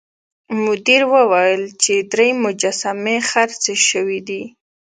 مدیر وویل چې درې مجسمې خرڅې شوې دي.